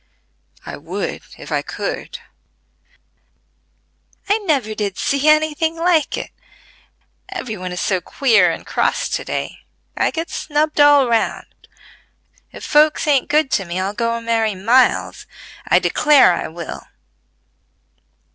"I would if I could!" "I never did see any thing like it; every one is so queer and cross to day I get snubbed all round. If folks ain't good to me, I'll go and marry Miles! I declare I will."